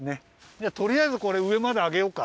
じゃあとりあえずこれうえまであげようか。